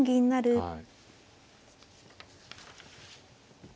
はい。